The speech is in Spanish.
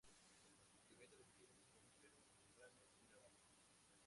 Se alimenta de pequeños mamíferos, ranas y lagartos.